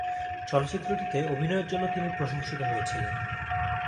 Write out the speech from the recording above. চলচ্চিত্রটিতে অভিনয়ের জন্য তিনি প্রশংসিত হয়েছিলেন।